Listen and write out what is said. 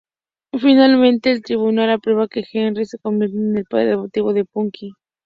Finalmente, el tribunal aprueba que Henry se convierta en el padre adoptivo de Punky.